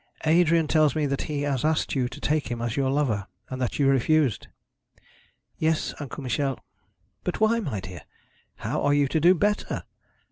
'Adrian tells me that he asked you to take him as your lover, and that you refused.' 'Yes, Uncle Michel.' 'But why, my dear? How are you to do better?